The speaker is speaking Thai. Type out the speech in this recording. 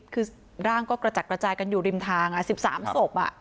คือร่างก็กระจัดกระจายกันอยู่ริมทาง๑๓ศพ